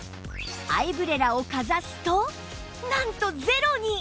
アイブレラをかざすとなんとゼロに！